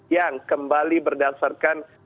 yang kembali berdasarkan